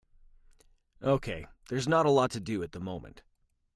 Okay, there is not a lot to do at the moment.